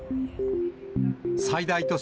最大都市